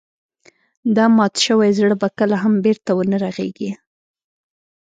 دا مات شوی زړه به کله هم بېرته ونه رغيږي.